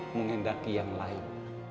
mengendaki yang lain